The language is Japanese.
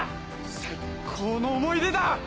最高の思い出だ！